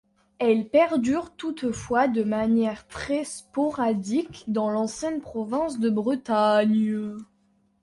Elle perdure toutefois de manière très sporadique dans l'ancienne province de Bretagne.